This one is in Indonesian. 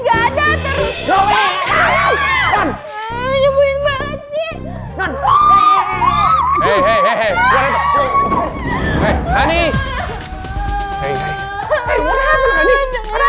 aku pengen mati